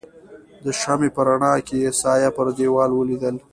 د شمعې په رڼا کې يې سایه پر دیوال ولوېدل.